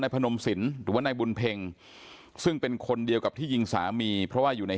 พนมสินหรือว่านายบุญเพ็งซึ่งเป็นคนเดียวกับที่ยิงสามีเพราะว่าอยู่ใน